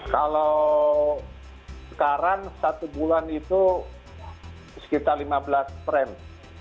kalau sekarang satu bulan itu sekitar lima belas frame